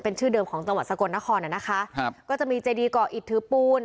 เป็นชื่อเดิมของจังหวัดสกลนครอ่ะนะคะครับก็จะมีเจดีเกาะอิดถือปูน